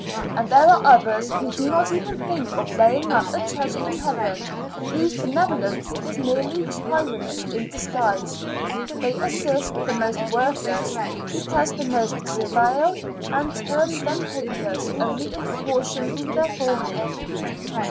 And there are others who do not even think of laying up a treasure in heaven, whose benevolence is merely tyranny in disguise; they assist the most worthless, because the most servile, and term them helpless only in proportion to their fawning.